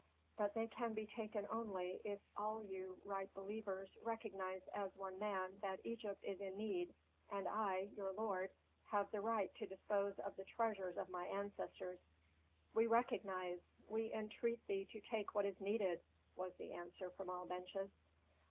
But they can be taken only if all you right believers recognize as one man that Egypt is in need, and I, your lord, have the right to dispose of the treasures of my ancestors." "We recognize! We entreat thee to take what is needed!" was the answer from all benches.